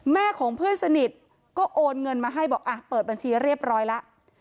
ของเพื่อนสนิทก็โอนเงินมาให้บอกอ่ะเปิดบัญชีเรียบร้อยแล้ว